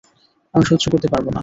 আমি সহ্য করতে পারব না।